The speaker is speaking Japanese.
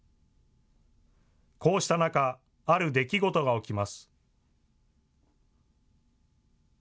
こうした中、ある出来事が起きます。